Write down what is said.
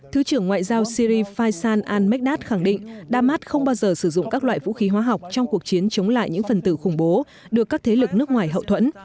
thứ trưởng ngoại giao syri faisan al mekdad khẳng định đa mát không bao giờ sử dụng các loại vũ khí hóa học trong cuộc chiến chống lại những phần tử khủng bố được các thế lực nước ngoài hậu thuẫn